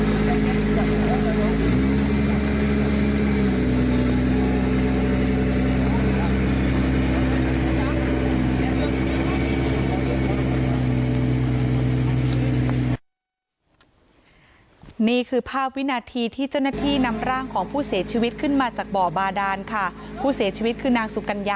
นะคะนี่คือภาพวินาทีที่เจ้าหน้าที่นำร่างของผู้เสียชีวิตขึ้นมาจากบ่อบาดานค่ะบ่อบาดานนี้อยู่ที่บ้านในพื้นที่จังหวัดราชบุรี